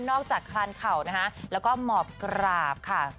จากคลานเข่านะคะแล้วก็หมอบกราบค่ะ